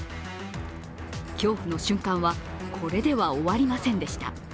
恐怖の瞬間は、これでは終わりませんでした。